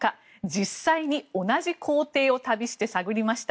実際に同じ行程を旅して探りました。